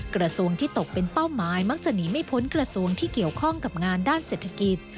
กระทรวงที่ตกเป็นเป้าหมายมักจะหนีไม่พ้นกระทรวงที่เกี่ยวข้องกับงานด้านเศรษฐกิจ